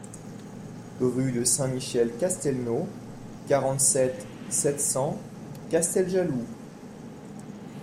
Rue de Saint-Michel Castelnau, quarante-sept, sept cents Casteljaloux